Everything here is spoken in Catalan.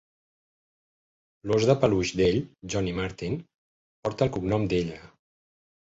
El ós de peluix d'ell "Johnny Martin" porta el cognom d'ella.